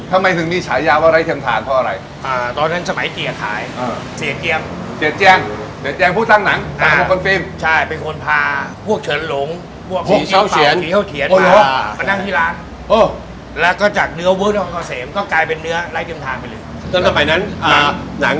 อ่าตอนนั้นสมัยเจ๋ยาขายเออเจ๋ยาเจ๋ยง